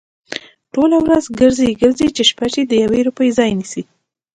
ټوله ورځ گرځي، گرځي؛ چې شپه شي د يوې روپۍ ځای نيسي؟